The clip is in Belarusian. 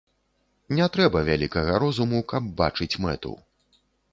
Не трэба вялікага розуму, каб бачыць мэту.